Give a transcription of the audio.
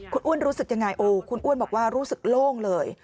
คุณอ้วนรู้สึกยังไงโอ้คุณอ้วนบอกว่ารู้สึกโล่งเลย